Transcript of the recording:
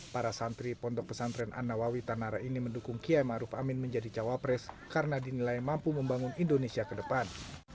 para santri pondok pesantren anawawi tanara ini mendukung kiai ⁇ maruf ⁇ amin menjadi cawapres karena dinilai mampu membangun indonesia ke depan